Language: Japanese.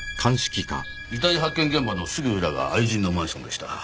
遺体発見現場のすぐ裏が愛人のマンションでした。